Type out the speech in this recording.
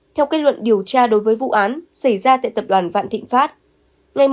theo kết luận điều tra đối với vụ án xảy ra tại tập đoàn vạn thịnh pháp